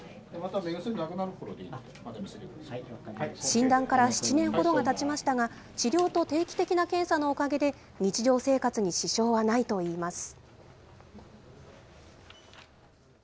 診断から７年ほどがたちましたが、治療と定期的な検査のおかげで、日常生活に支障はないといいます。